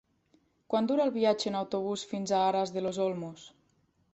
Quant dura el viatge en autobús fins a Aras de los Olmos?